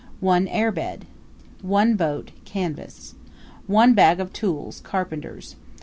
1 air bed. 1 boat (canvas} 1 bag of tools, carpenter's.